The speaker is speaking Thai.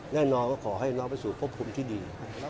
แน่นอนก็ขอให้น้องไปสู่ควบคุมที่ดี